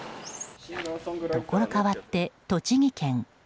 ところ変わって栃木県。